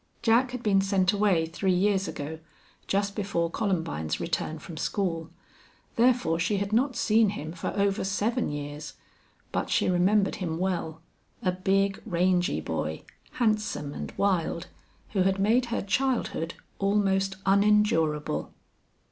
Jack had been sent away three years ago, just before Columbine's return from school. Therefore she had not seen him for over seven years. But she remembered him well a big, rangy boy, handsome and wild, who had made her childhood almost unendurable.